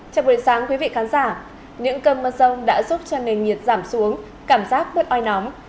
chào buổi sáng quý vị khán giả những cơn mưa rông đã giúp cho nền nhiệt giảm xuống cảm giác bớt oi nóng